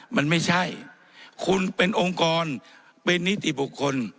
มันไม่ใช่คุณเป็นองค์กรเป็นนิติบุคคล